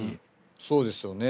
そうですよね。